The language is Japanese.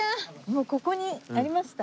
もうここにありました。